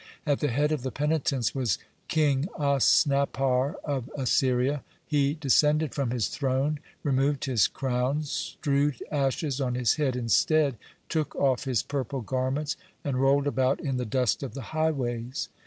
At the head of the penitents was King Osnappar of Assyria. (34) He descended from his throne, removed his crown, strewed ashes on his head instead, took off his purple garments, and rolled about in the dust of the highways.